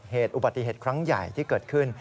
อุบัติเหตุครั้งใหญ่ที่เกิดขึ้น